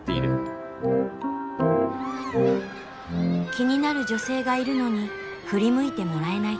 気になる女性がいるのに振り向いてもらえない。